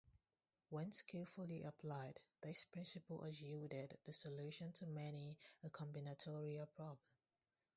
When skillfully applied, this principle has yielded the solution to many a combinatorial problem.